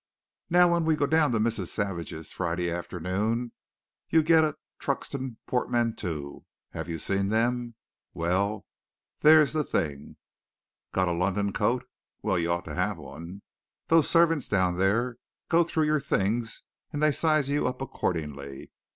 "Now when we go down to Mrs. Savage's Friday afternoon, you get a Truxton Portmanteau. Have you seen them? Well, there's the thing. Got a London coat? Well, you ought to have one. Those servants down there go through your things and they size you up accordingly.